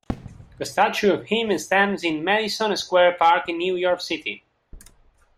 A statue of him stands in Madison Square Park in New York City.